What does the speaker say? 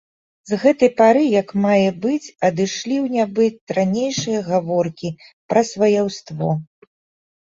З гэтай пары як мае быць адышлі ў нябыт ранейшыя гаворкі пра сваяўство.